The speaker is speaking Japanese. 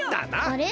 あれ？